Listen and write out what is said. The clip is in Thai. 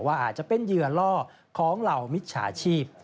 อาจจะเป็นเหยื่อล่อของเหล่ามิจฉาชีพ